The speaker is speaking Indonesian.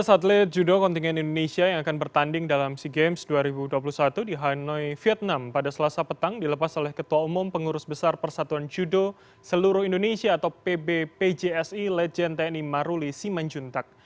lima belas atlet judo kontingen indonesia yang akan bertanding dalam sea games dua ribu dua puluh satu di hanoi vietnam pada selasa petang dilepas oleh ketua umum pengurus besar persatuan judo seluruh indonesia atau pbpjsi legend tni maruli simanjuntak